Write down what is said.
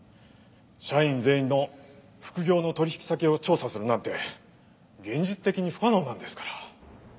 社員全員の副業の取引先を調査するなんて現実的に不可能なんですから。